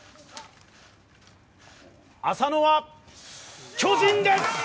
浅野は巨人です！